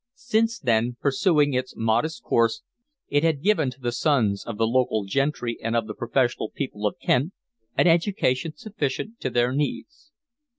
Since then, pursuing its modest course, it had given to the sons of the local gentry and of the professional people of Kent an education sufficient to their needs.